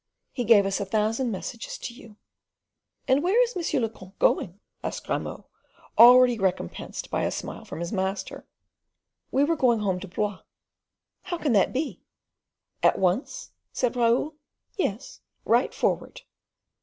"He gave us a thousand messages to you." "And where is M. le comte going?" asked Grimaud, already recompensed by a smile from his master. "We were going home to Blois." "How can that be?" "At once?" said Raoul. "Yes, right forward."